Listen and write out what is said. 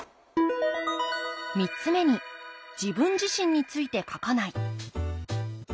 ３つ目に「自分自身について書かない」。